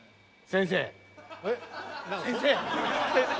先生！